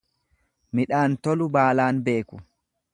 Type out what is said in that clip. Midhaan tolu baalaan beeku.